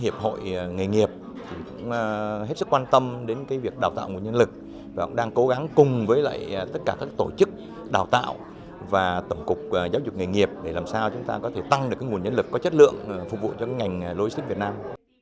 hiệp hội nghề nghiệp cũng hết sức quan tâm đến việc đào tạo nguồn nhân lực và cũng đang cố gắng cùng với lại tất cả các tổ chức đào tạo và tổng cục giáo dục nghề nghiệp để làm sao chúng ta có thể tăng được nguồn nhân lực có chất lượng phục vụ cho ngành logistics việt nam